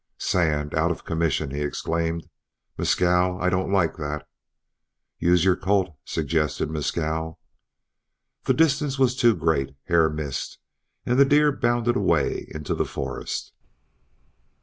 "Sand! Out of commission!" he exclaimed. "Mescal, I don't like that." "Use your Colt," suggested Mescal. The distance was too great. Hare missed, and the deer bounded away into the forest.